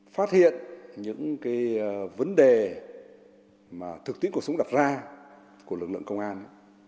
phát hiện những vấn đề mà thực tiễn cuộc sống đặt ra của lực lượng công an